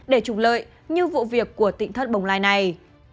để trục lợi như vụ việc của tỉnh thất bồng lai này